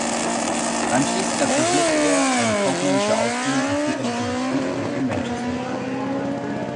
Anschliessend absolvierte er eine kaufmännische Ausbildung im väterlichen Betrieb und in Manchester.